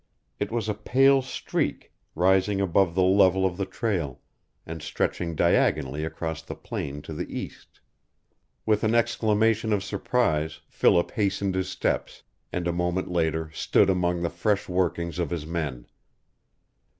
It was a pale streak, rising above the level of the trail, and stretching diagonally across the plain to the east. With an exclamation of surprise Philip hastened his steps, and a moment later stood among the fresh workings of his men.